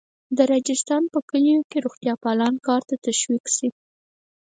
د راجستان په کلیو کې روغتیاپالان کار ته تشویق شي.